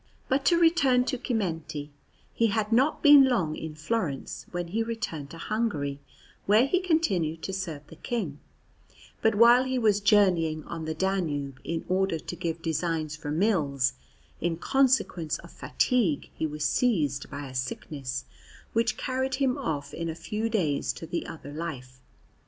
But to return to Chimenti; he had not been long in Florence when he returned to Hungary, where he continued to serve the King; but while he was journeying on the Danube in order to give designs for mills, in consequence of fatigue he was seized by a sickness, which carried him off in a few days to the other life.